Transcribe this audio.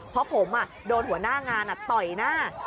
เพราะผมโดนหัวหน้างานต่อยหน้า